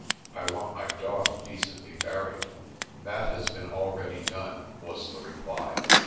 "I want my dog decently buried." "That has been already done," was the reply.